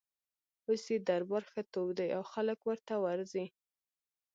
اوس یې دربار ښه تود دی او خلک ورته ورځي.